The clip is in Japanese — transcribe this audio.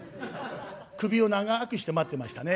首を長くして待ってましたね。